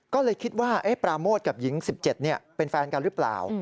ก็เลยคิดว่าปราโมทกับหญิง๑๗เป็นแฟนกันหรือเปล่า